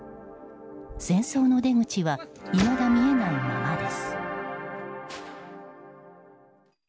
戦争の出口はいまだ見えないままです。